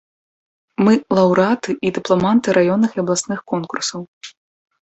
Мы лаўрэаты і дыпламанты раённых і абласных конкурсаў.